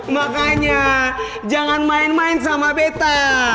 makanya jangan main main sama beta